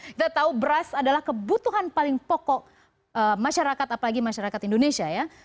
kita tahu beras adalah kebutuhan paling pokok masyarakat apalagi masyarakat indonesia ya